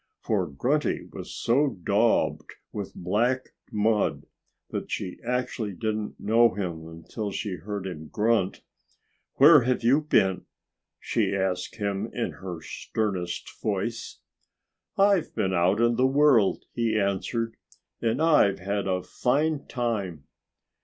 For Grunty was so daubed with black mud that she actually didn't know him until she heard him grunt. "Where have you been?" she asked him in her sternest voice. "I've been out in the world," he answered. "And I've had a fine time."